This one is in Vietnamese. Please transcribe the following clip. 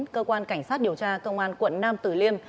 cơ quan cảnh sát điều tra công an quận nam tử liêm